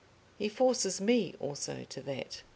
He forces me also to that.